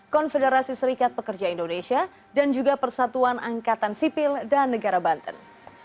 konfederasi serikat pekerja indonesia dan juga persatuan angkatan sipil dan negara banten